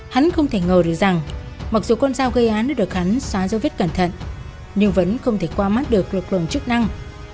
hắn không thể ngờ được rằng mặc dù con dao gây án đã được hắn xóa dấu vết cẩn thận nhưng vẫn không thể qua mắt được lực lượng chức năng